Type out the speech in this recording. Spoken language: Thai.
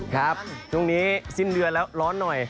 ครับช่วงนี้สิ้นเดือนแล้วร้อนหน่อย